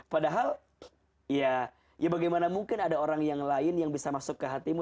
padahal ya bagaimana mungkin ada orang yang lain yang bisa masuk ke hatimu